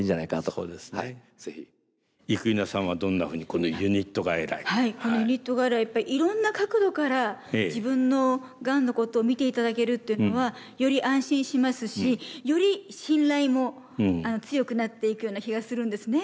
このユニット外来やっぱりいろんな角度から自分のがんのことを診ていただけるっていうのはより安心しますしより信頼も強くなっていくような気がするんですね。